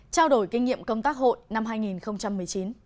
trao đổi kinh nghiệm công tác hội năm hai nghìn một mươi chín